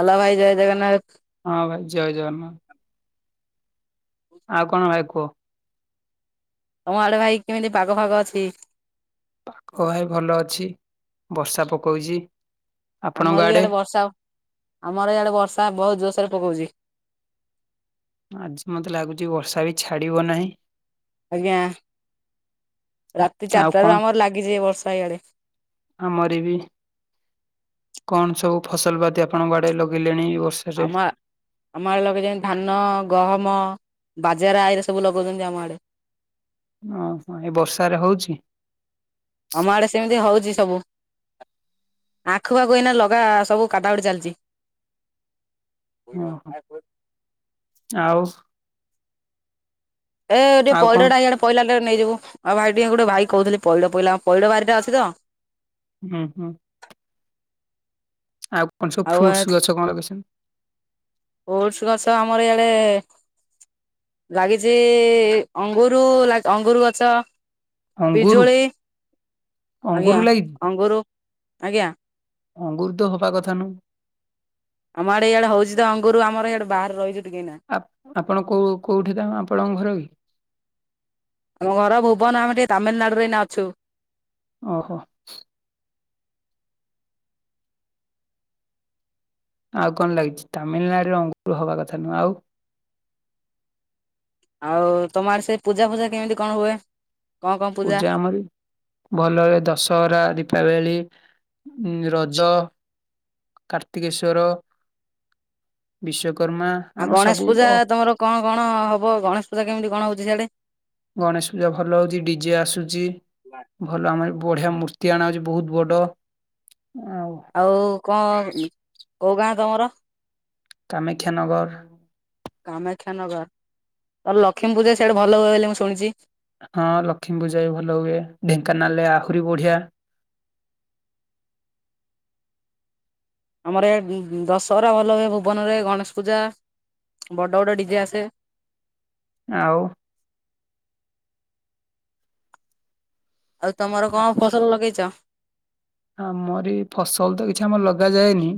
Hello ଭାଇ ଜୟ ଜଗନ୍ନାଥ। ହଁ ଭାଇ ଜୟ ଜଗନ୍ନାଥ। ଆଉ କ'ଣ ଭାଇ କୁହ। ତମ ଆଡେ ଭାଇ କେମିତି ପାଗ, ଫାଗ ଅଛି। ପାଖ ଭାଇ ଭଲ ଅଛି ବର୍ଷା ପକଉଛି। ଆପଣଙ୍କ ଆମର ବି ଆଡେ ଇଆଡେ ବର୍ଷା ଆମର ଇଆଡେ ବର୍ଷା ବହୁତୁ ଜୋରସରେ ପକଉଛି। ଆଜି ମତେ ଲାଗୁଛି ବର୍ଷା ବି ଛାଡିବ ନାହିଁ। ଆଜ୍ଞା ରାତି ଆଉ ଚାରିଟା କଣ? ରୁ ଆମର ଲାଗିଛି ବର୍ଷା ଇଆଡେ। ଆମର ବି କ'ଣ ସବୁ ଫସଲ ପାତି ଆପଣଙ୍କ ଆଡେ ଲଗେଇଲେଣି ଏ ବର୍ଷ। ଆମା। ଆମ ଆଡେ ଲଗେଇଛନ୍ତି ଧାନ, ଗହମ, ବାଜେରା ଏଇରା ସବୁ ଲଗଉଛନ୍ତି ଆମ ଆଡେ। ଅ ହଁ ଏ ବର୍ଷାରେ ହଉଛି। ଆମ ଆଡେ ସେମିତି ହଉଛି ସବୁ। ଆଖୁ ପାଖୁ ଏଇନା ଲଗା ସବୁ କାଟାକୁଟି ଚାଲିଛି। ଅ ହଁ ଆଉ। ଏ ଟିକେ ଆଉ କଣ? ପଇଡ ଟା ଇଆଡେ ପଇଲା ଟେ ନେଇଯିବୁ ଆଉ ଭାଇ ଟିକେ ଗୋଟେ ଭାଇ କହୁଥିଲେ ପଇଡ଼ ପଇଲା ପଇଡ ବାଇ ରେ ଅଛି ତ। ହୁଁ ହୁଁ। ଆଉ କ'ଣ ସବୁ ଆଉ ଫ୍ରୁଟସ ଗଛ କ'ଣ ଲଗେଇଛନ୍ତି। ଓଟସ ଗଛ ଆମର ଇଆଡେ। ଲାଗିଛି ଅଙ୍ଗୁରୁ ଲା ଅଙ୍ଗୁରୁ ଗଛ। ଅଙ୍ଗୁରୁ ପିଜୁଳି ଆଜ୍ଞା ଅଙ୍ଗୁରୁ ଲାଗିଛି ଅଙ୍ଗୁର ଆଜ୍ଞା। ଅଙ୍ଗୁରୁ ତ ହବା କଥା ନୁ। ଆମ ଆଡେ ଇଆଡ଼େ ହଉଛି ତ ଅଙ୍ଗୁରୁ ଆମର ଇଆଡେ଼ ବାହାରେ ରହିକି ଟିକି ନାଇଁ। ଆପ ଆପଣ କେଉଁ କେଉଁଠି ତା ଆପଣଙ୍କ ଘର କି। ଆମ ଘର ଭୁବନ ଆମେ ଟିକେ ତାମିଲି ନାଡୁରେ ଏଇନା ଅଛୁ। ଓହୋ। ଆଉ କ'ଣ ଲାଗିଛି ତାମିଲିନାଡ଼ୁରେ ଅଙ୍ଗୁରୁ ହବା କଥା ନୁହଁ ଆଉ। ଆଉ ତମଆଡେ ସେ ପୂଜା, ଫୂଜା କେମିତି କ'ଣ ହୁଏ। କଣ କଣ ପୂଜା ଆମରି। ଭଲ ରେ ଦଶହରା, ଦୀପାବଳି ଉଁ ରଜ। କାର୍ତ୍ତିକେଶ୍ୱର, ବିଶ୍ୱକ୍ରମା। ଆଉ ଗଣେଶ ପୂଜା ତମର କ'ଣ କ'ଣ ହବ ଗଣେଶ ପୂଜା କେମିତି କଣ ହଉଛି ସିଆଡେ଼। ଗଣେଶ ପୂଜା ଭଲ ହଉଛି ଡିଜେ ଆସୁଛି। ଭଲ ଆମର ବଢ଼ିଆ ମୂର୍ତ୍ତି ଆଣା ହଉଛି ବହୁତୁ ବଡ଼। ଆଉ। ଆଉ କ'ଣ କୋଉ ଗାଁ ତମର। କାମାକ୍ଷାନଗର। କାମେକ୍ଷ୍ୟାନଗର ତ ଲକ୍ଷ୍ମୀ ପୂଜା ସିଆଡେ ଭଲ ହୁଏ ବୋଲି ମୁଁ ଶୁଣିଛି। ହଁ ଲକ୍ଷ୍ମୀପୂଜା ବି ଭଲ ହୁଏ ଢେଙ୍କାନାଳ ରେ ଆହୁରି ବଢିଆ। ଆମର ଏ ଦଶହରା ଭଲ ହୁଏ ଭୁବନରେ ଗଣେଶ ପୂଜା ବଡ଼ ବଡ଼ ଡିଜେ ଆସେ। ଆଉ। ଆଉ ତମର କଣ ଫସଲ ଲଗେଇଚ? ଆମରି ଫସଲ ତ କିଛି ଆମର ଲଗାଯାଏନି।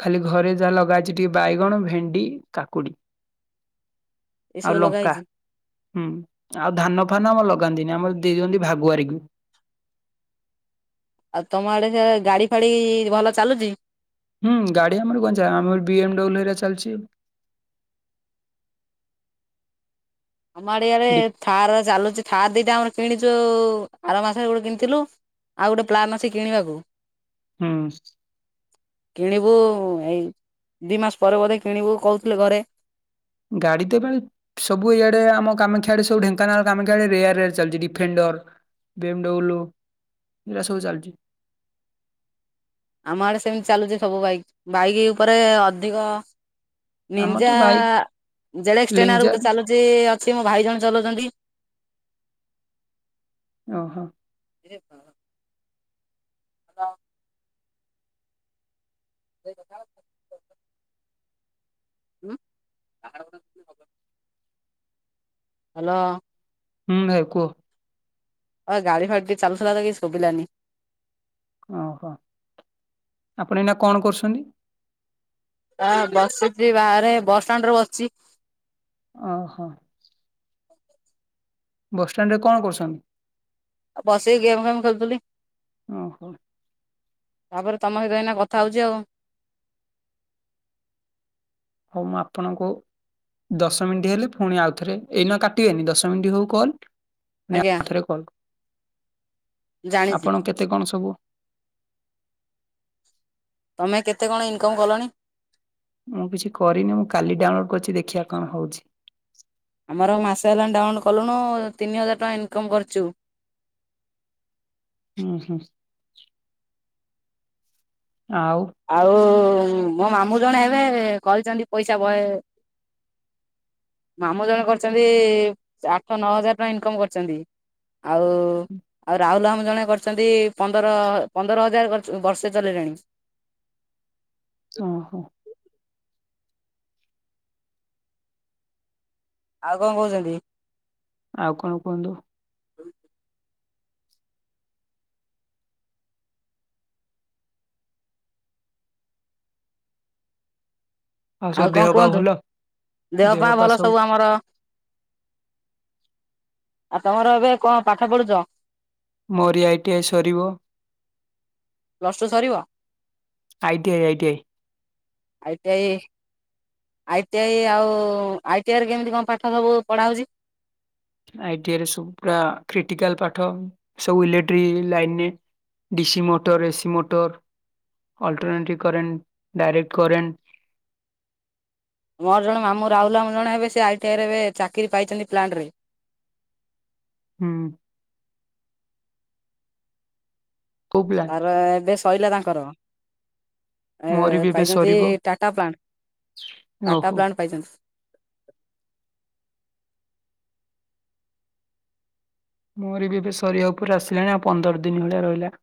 ଖାଲି ଘରେ ଯାହା ଲଗା ଅଛି ଟିକେ ବାଇଗଣ, ଭେଣ୍ଡି, କାକୁଡି ଏଇ ସବୁ ଆଉ ଲଗା ଲଙ୍କା। ହେଇଛି ହୁଁ ଆଉ ଧାନ ଫାନ ଆମର ଲଗାନ୍ତିନି ଆମର ଦେଇଦିଅନ୍ତି ଭାଗୁଆରୀକୁ। ଆଉ ତମ ଆଡେ ସେ ଗାଡି ଫାଡି ଭଲ ଚାଲୁଛି? ହୁଁ ଗାଡି ଆମର ଗଞ୍ଜା ଆମର ବିଏମଡବ୍ଲୁ ହେରେ ଚାଲିଛି। ଆମ ଆଡିଆରେ ଡି ଥାର ଚାଲୁଛି ଥାର ଦିଟା ଆମର କିଣିଛୁ ଆର ମାସରେ ଗୋଟେ କିଣିଥିଲୁ। ଆଉ ଗୋଟେ ପ୍ଲାନ୍ ଆସି କିଣିବାକୁ ହୁଁ କିଣିବୁ ଏଇ ଦିଇ ମାସ ପରେ ବୋଧେ କିଣିବୁ କହୁଥିଲେ ଘରେ ଗାଡ଼ିଟେ ପାଇଁ ସବୁ ଇଆଡ଼େ ଆମ କାମାକ୍ଷା ଆଡେ ସବୁ ଢେଙ୍କାନାଳ କାମାକ୍ଷାଆଡେ ରେୟାର ରେୟାର ଚାଲିଚି ଡିଫେଣ୍ଡର ବିଏମଡବ୍ଲୁ ଏରା ସବୁ ଚାଲିୁଚି। ଆମ ଆଡ଼େ ସେମିତି ଚାଲୁଚି ସବୁ ବାଇକ୍ ବାଇକ୍ ଉପରେ ଅଧିକ ଆମର ନିଞା ତ ବାଇକ୍ ଜେଡକ୍ସ ଟେନ୍ଆର ଲେଞ୍ଜର ଗୋଟେ ଚାଲୁଚି ଅଛି ମୋ ଭାଇ ଜଣେ ଚଳଉଛନ୍ତି। ଓହୋ। ରେ ବାପ୍ ହଁ। [unintelligible] ଉଁ ହ୍ୟାଲୋ। ହୁଁ ଭାଇ କୁହ। ଆ ଗାଡ଼ି ଫାଡ଼ି ଟିକେ ଚାଲୁଥିଲାତ କିଛି ସୁବିଲାନି। ଓହୋ ଆପଣ ଏଇନା କଣ କରୁଛନ୍ତି? ହଁ ବସିଚି ବାହାରେ ବସଷ୍ଟାଣ୍ଡରେ ବସିଚି। ଓହୋ। ବସ୍ ଷ୍ଟାଣ୍ଡରେ କଣ କରୁଚନ୍ତି? ଆଉ ବସିକି ଗେମ୍ ଫେମ୍ ଖେଳୁଥିଲି। ଓହୋ। ତାପରେ ତମ ସହିତ ଏଇନା କଥା ହେଉଚି ଆଉ ହଉ ମୁଁ ଆପଣଙ୍କୁ ଦଶ ମିନିଟ୍ ହେଲେ ପୁଣି ଆଉଥରେ ଏଇନା କାଟିବେନି ଦଶ ମିନିଟ୍ ହଉ କଲ୍ ନେହା ଆଜ୍ଞା [unintelligible] ଜାଣିଛି ଆପଣ କେତେ କଣ ସବୁ ତମେ କେତେ କଣ ଇନକମ୍ କଲଣି? ମୁଁ କିଛି କରିନି ମୁଁ କାଲି ଡାଉନଲୋଡ୍ କରିଚି ଦେଖିବା କଣ ହଉଚି। ଆମର ମାସେ ହେଲାଣି ଡାଉନଲୋଡ୍ କଲୁଣୁ ତିନି ହଜାର ଟଙ୍କା ଇନକମ୍ କରିଚୁ। ହୁଁ ହୁଁ। ଆଉ ଆଉ ମୋ ମାମୁଁ ଜଣେ ହେବେ କହିଚନ୍ତି ପଇସା ବହେ ମାମୁଁ ଜଣେ କରିଚନ୍ତି ଆଠ ନଅ ହଜାର ଟଙ୍କା ଇନକମ୍ କରିଚନ୍ତି। ଆଉ ଆଉ ରାହୁଲ୍ ମାମୁଁ ଜଣେ କରିଚନ୍ତି ପନ୍ଦର ପନ୍ଦର ହଜାର ବର୍ଷେ ଚଲେଇଲେଣି। ଓହୋ [inaudible] ଆଉ କଣ କଉଚନ୍ତି? ଆଉ କଣ କୁହନ୍ତୁ? ଆଉ ସବୁ ଦେହ କଣ ପା କୁହନ୍ତୁ ଭଲ ଦେହ ପାଅ ସବୁ ଭଲ ସବୁ ଆମର। ଆଉ ତମର ଏବେ କଣ ପାଠ ପଢୁଚ? ମୋରି ଆଇଟିଆଇ ସରିବ। ପ୍ଲସ୍ ଟୁ ସରିବ? ITI, ITI. ITI ITI, ଆଉ ଆଇ ଟି ଆଇରେ କେମିତି କଣ ପାଠ ସବୁ ପଢା ହଉଚି? ଆଇଟିଆଇରେ ସବୁ ପୁରା କ୍ରିଟିକାଲ ପାଠ। ସବୁ ଇଲେକ୍ଟ୍ରି ଲାଇନ୍ ରେ। DC motor, AC motor, alternative current direct current ମୋର ଜଣେ ମାମୁ ରାହୁଲ୍ ମାମୁଁ ଜଣେ ହେବେ ସେ ଆଇ ଟି ଆଇ ଏବେ ଚାକିରି ପାଇଚନ୍ତି ପ୍ଲାଣ୍ଟରେ। ହୁଁ। କୋଉ ପ୍ଲାନ ତାର ବା ଏବେ ଶୋଇିଲା ତାଙ୍କର। ଆ ମୋର ବି ଏବେ ପାଇଚନ୍ତି ସରିବ ଟାଟା ପ୍ଲାଣ୍ଟ। ଟାଟା ଓହୋ ପ୍ଲାଣ୍ଟ ପାଇଚନ୍ତି। ମୋର ବି ଏବେ ସରିବା ଉପରେ ଆସିଲାଣି ଆଉ ପନ୍ଦର ଦିନ ଭଳିଆ ରହିଲା।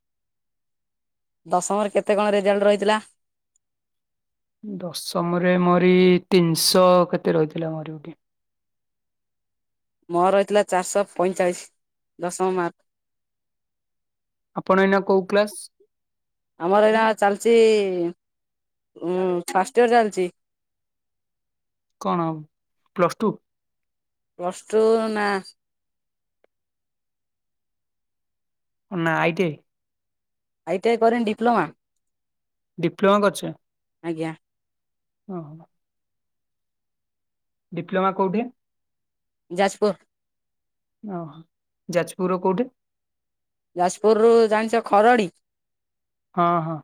ଦଶମରେ କେତେ କଣ ରେଜଲ୍ଟ୍ ରହିଥିଲା? ଦଶମରେ ମୋରି ଏଇ ତିନିଶହ କେତେ ରହିଥିଲା ମୋରି ଗୋଟେ। ମୋର ରହିଥିଲା ଚାରିଶହ ପଇଁଚାଳିଶ ଦଶମ ମାର୍କ। ଆପଣ ଏଇନା କୋଉ କ୍ଲାସ? ଆମର ଏଇନା ଚାଲିଛି ଉଁ ଫାଷ୍ଟ ଇୟର ଚାଲିଛି। କଣ ପ୍ଲସ୍ ଟୁ? ପ୍ଲସ୍ ଟୁ ନା। ନା ITI? ITI କରିନି ଡିପ୍ଲୋମା। ଡିପ୍ଲୋମା କରିଚ? ଆଜ୍ଞା। ଅହୋ। ଡିପ୍ଲମା କେଉଁଠି? ଯାଜପୁର। ଓହୋ ଯାଜପୁରର କୋଉଠି? ଯାଜପୁରରୁୁ ଜାଣିଛ ଖରଡ଼ି? ହଁ ହଁ।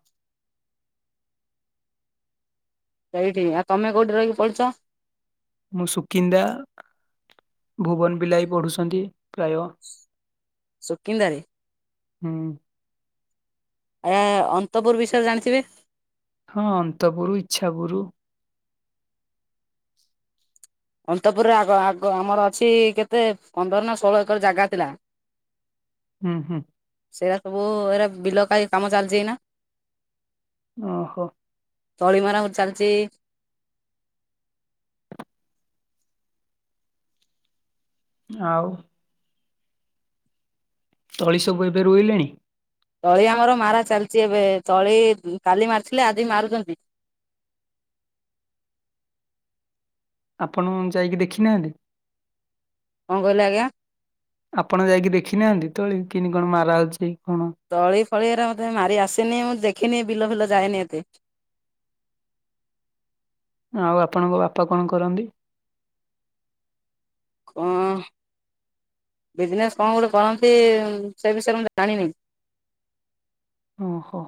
ସେଇଠି ଆଉ ତମେ କୋଉଠି ରହିିକି ପଢୁଛ? ମୁଁ ସୁକିନ୍ଦା ଭୁବନ ବିଲାଇ ପଢୁଛନ୍ତି ପ୍ରାୟ ସୁକିନ୍ଦାରେ? ହୁଁ। ଆଜ୍ଞା ଅନ୍ତପୁର ବିଷୟରେ ଜାଣିଥିବେ? ହଁ ଅନ୍ତପୁରୁ, ଇଚ୍ଛାପୁରୁ। ଅନ୍ତପୁରେ ଆଗ- ଆଗ ଆମର ଅଛି କେତେ ପନ୍ଦର ନା ଷୋହଳ ଏକର ଜାଗା ଥିଲା। ହୁଁ ହୁଁ। ସେଇଟା ସବୁ ଏଇରା ବିଲ ପାଇଁ କାମ ଚାଲିଛି ଏଇନା। ଓହୋ। ତଳି ମରା [unintelligible] ଚାଲିଛି। ଆଉ? ତଳି ସବୁ ଏବେ ରୁଇଁଲେଣି? ତଳି ଆମର ମାରା ଚାଲିଛି ଏବେ, ତଳି କାଲି ମାରିଥିଲେ ଆଜି ମାରୁଛନ୍ତି। ଆପଣ ଯାଇକି ଦେଖିନାହାନ୍ତି? କଣ କହିଲେ ଆଜ୍ଞା? ଆପଣ ଯାଇକି ଦେଖି ନାହାନ୍ତି ତଳି, କିନ୍ତି କଣ ମାରା ହଉଛି କଣ? ତଳି ଫଳି ଏରା ମତେ ମାରି ଆସିନି, ମୁଁ ଦେଖିନି ବିଲ ଫିଲ ଯାଏନି ଏତେ। ଆଉ ଆପଣଙ୍କ, ବାପା କଣ କରନ୍ତି? କଣ ବିଜ୍ନେସ କଣ ଗୋଟେ କରନ୍ତି? ସେ ବିଷୟରେ ମୁ ଜାଣିନି। ଓହୋ।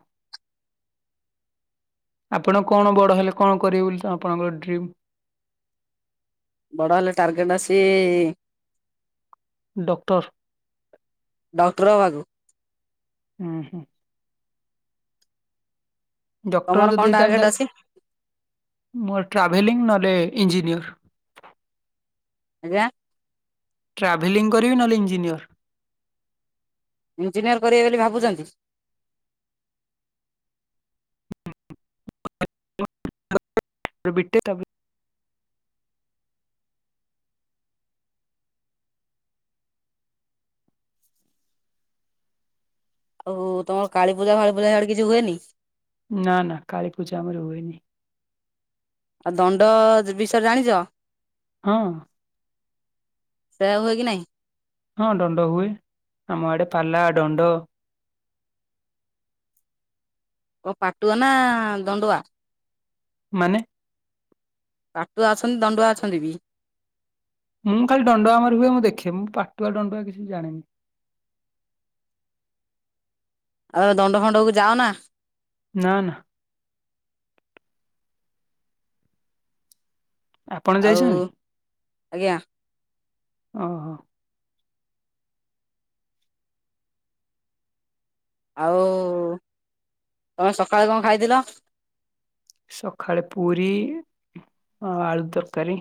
ଆପଣ କଣ ବଡ଼ ହେଲେ, କଣ କରିବେ ବୋଲି, ଆପଣଙ୍କର ଡ୍ରିମ୍? ବଡ଼ ହେଲେ, ଟାର୍ଗେଟ୍ ଆଛି ଡକ୍ଟର୍। ଡାକ୍ଟର୍ ହବାକୁ। ହୁଁ ହୁଁ। ଡକ୍ଟର୍ ତମର କଣ ଯଦି ହେଇଥାନ୍ତି ଟାର୍ଗେଟ ତାଲ୍, ଅଛି ମୋର ଟ୍ରାଭେଲିଂ ନହେଲେ ଇଞ୍ଜିନିୟର। ଆଜ୍ଞା। [unintelligible] ଟ୍ରାଭେଲିଂ କରିବି, ନହଲେ ଇଞ୍ଜିନିୟର। ଇଞ୍ଜିନିୟର୍ କରିବେ ବୋଲି ଭାବୁଛନ୍ତି। ବି ଟେତା ବେ ଓହୋ ଉ ଉ ତମର କାଳୀପୂଜା, ଫାଲିପୂଜା ହେଆଡ଼େ କିଛି ହୁଏନି? ନା ନା କାଳୀପୂଜା ଆମର ହୁଏନି? ଆଉ ଦଣ୍ଡ, ବିଷୟରେ ଜାଣିଛ? ହଁ। ସେୟା ହୁଏ କି ନାଇଁ? ହଁ ଡଣ୍ଡ। ହୁଏ ଆମ ଆଡେ ପାଲା ଡଣ୍ଡ। କ ପାଟୁଆ ନା ଦଣ୍ଡୁଆ? ମାନେ? ପାଟୁଆ ଅଛନ୍ତି। ଦଣ୍ଡୁଆ ଅଛନ୍ତି ବି। ମୁଁ ଖାଲି ଡଣ୍ଡୁଆ ଆମର ହୁଏ ମୁଁ ଦେଖେ। ମୁଁ ପାଟୁଆ ଡଣ୍ଡୁଆ କିଛି ଜାଣିନି। ଆଉ ଦଣ୍ଡ ଫଣ୍ଡ କୁ ଯାଅ ନା? ନା ନା। ଆପଣ ଆଉ। ଯାଇଛନ୍ତି ଆଜ୍ଞା। ଅ। ଆଉ, ତମେ ସକାଳେ କଣ ଖାଇଥିଲ? ସକାଳେ ପୁରୀ, ଅ ଆଳୁ ତର୍କାରୀ।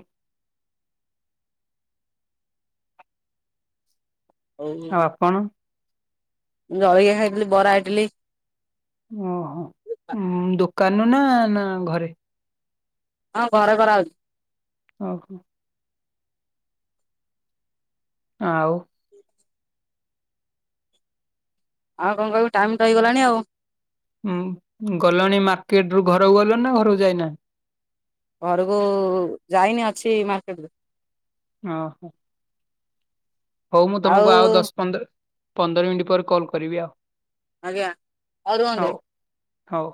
ଆଉ ଆପଣ। ଜଳିଖିଆ ଖାଇଥିଲି, ବରା ଇଟିଲି। ଓହୋ ଉଁ ଉଁ ଦୋକାନ୍ ନୁ ନା ନା ଘରେ? ହଁ ଘରେ କରାହଉଚି। ଓହୋ। ଆଉ। ଆଉ କଣ କହିବି? ଟାଇମ୍ ତ ହେଇଗଲାଣି ଆଉ। ଉଁ ଗଲଣି ମାର୍କେଟ୍ ରୁ ଘରକୁ ଗଲ ନା, ଘରକୁ ଯାଇନା? ଘରକୁ, ଯାଇନି ଅଛି ମାର୍କେଟ୍ ରେ। ଓହୋ। ହଉ ମୁଁ ତୁମକୁ ଆଉ ଦଶ୍ ପନ୍ଦର୍, ପନ୍ଦର ମିନିଟ୍ ପରେ କଲ୍ କରିବି ଆଉ। ଆଜ୍ଞା ହଉ ରୁହନ୍ତୁ। ହଉ ହଉ।